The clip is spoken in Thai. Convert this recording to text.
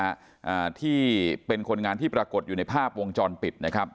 อ่าที่เป็นคนงานที่ปรากฏอยู่ในภาพวงจรปิดนะครับ